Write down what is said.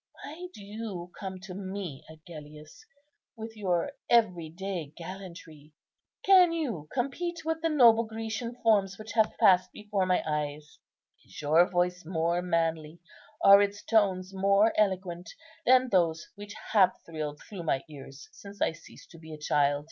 Why do you come to me, Agellius, with your every day gallantry. Can you compete with the noble Grecian forms which have passed before my eyes? Is your voice more manly, are its tones more eloquent, than those which have thrilled through my ears since I ceased to be a child?